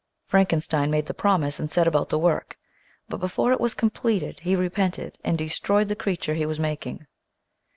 Frankenstein made the promise and set about the work, but before it was completed he repented and destroyed the creature he was making.